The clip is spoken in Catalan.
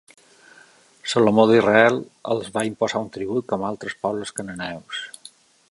Salomó d'Israel els va imposar tribut com altres pobles cananeus.